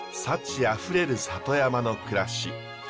幸あふれる里山の暮らし。